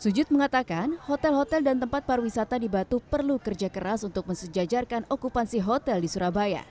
sujud mengatakan hotel hotel dan tempat pariwisata di batu perlu kerja keras untuk mensejajarkan okupansi hotel di surabaya